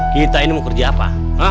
kita ini mau kerja apa